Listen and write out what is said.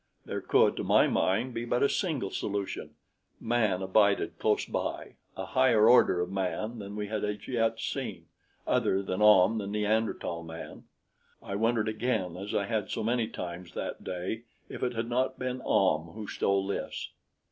There could, to my mind, be but a single solution: man abided close by, a higher order of man than we had as yet seen, other than Ahm, the Neanderthal man. I wondered again as I had so many times that day if it had not been Ahm who stole Lys.